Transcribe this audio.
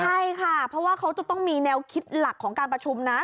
ใช่ค่ะเพราะว่าเขาจะต้องมีแนวคิดหลักของการประชุมนะ